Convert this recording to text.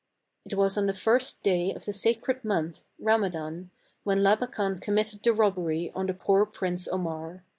It was on the first day of the sacred month, Ramadan, when Labakan committed the robbery 198 THE CAB AVAN. on the poor Prince Omar.